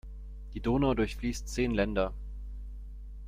Die Donau durchfließt zehn Länder.